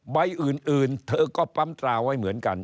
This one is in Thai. ใบอื่นเธอก็ปั๊มตราไว้เหมือนกัน